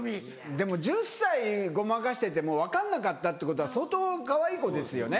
でも１０歳ごまかしてても分かんなかったってことは相当かわいい子ですよね。